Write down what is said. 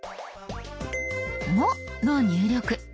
「も」の入力。